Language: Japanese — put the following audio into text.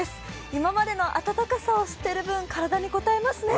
今までの暖かさを知ってる分体にこたえますよね。